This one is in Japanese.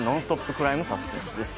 ・クライム・サスペンスです。